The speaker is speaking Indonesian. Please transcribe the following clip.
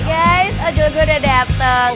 guys aduh gue udah dateng